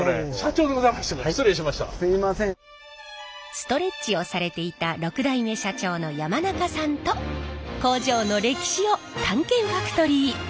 ストレッチをされていた６代目社長の山中さんと工場の歴史を探検ファクトリー！